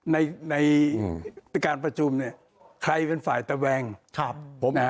ในในการประชุมเนี่ยใครเป็นฝ่ายตะแวงครับผม